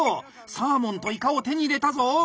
サーモンとイカを手に入れたぞ！